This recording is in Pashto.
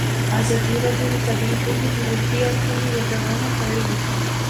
ازادي راډیو د طبیعي پېښې د منفي اړخونو یادونه کړې.